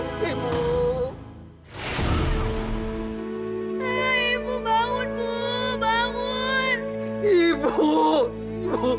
ibu ibu ibu